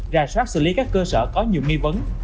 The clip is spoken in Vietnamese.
ra soát xử lý các cơ sở có nhiều nghi vấn